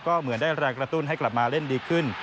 ก็เหมือนได้แรงกระตุ้นให้กลับมาเล่นดีขึ้น